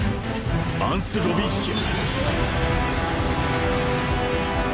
アンスロビンシア！